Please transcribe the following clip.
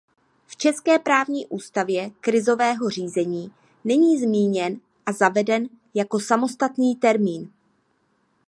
V české právní úpravě krizového řízení není zmíněn a zaveden jako samostatný termín.